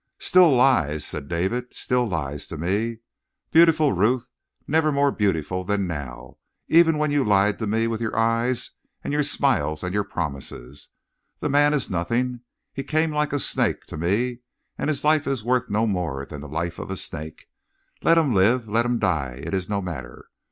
"Still lies?" said David. "Still lies to me? Beautiful Ruth never more beautiful than now, even when you lied to me with your eyes and your smiles and your promises! The man is nothing. He came like a snake to me, and his life is worth no more than the life of a snake. Let him live, let him die; it is no matter.